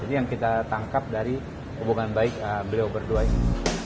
jadi yang kita tangkap dari hubungan baik beliau berdua ini